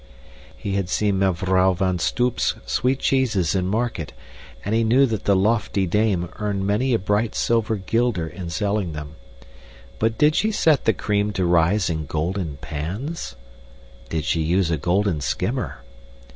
He had seen Mevrouw van Stoop's sweet cheeses in market, and he knew that the lofty dame earned many a bright silver guilder in selling them. But did she set the cream to rise in golden pans? Did she use a golden skimmer?